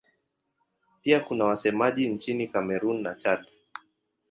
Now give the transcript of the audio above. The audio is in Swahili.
Pia kuna wasemaji nchini Kamerun na Chad.